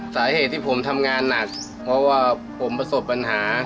สาเหตุที่ผมทำงานหนักเพราะว่าผมประสบปัญหา